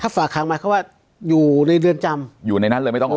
ถ้าฝากขังมาเขาว่าอยู่ในเดือนจำอยู่ในนั้นเลยไม่ต้องออกมา